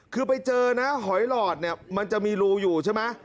คือไปเจอนะหอยหลอดเนี่ยมันจะมีรูอยู่ใช่ไหม